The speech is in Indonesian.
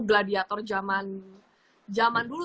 gladiator zaman dulu